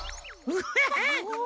ウッヘヘ！